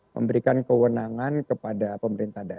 memberikan kewenangan kepada pemerintah daerah